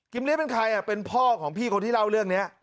ลีเป็นใครเป็นพ่อของพี่คนที่เล่าเรื่องนี้